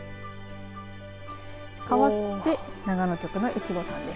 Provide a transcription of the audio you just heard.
かわって長野局の越後さんです。